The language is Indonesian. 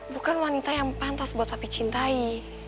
bukan wanita yang pantas buat kami cintai